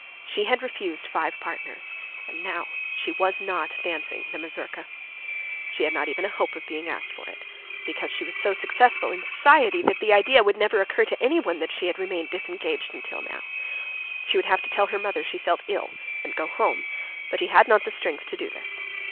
She had refused five partners, and now she was not dancing the mazurka. She had not even a hope of being asked for it, because she was so successful in society that the idea would never occur to anyone that she had remained disengaged till now. She would have to tell her mother she felt ill and go home, but she had not the strength to do this.